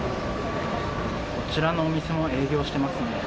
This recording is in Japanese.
こちらのお店も営業してますね。